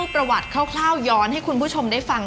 ประวัติคร่าวย้อนให้คุณผู้ชมได้ฟัง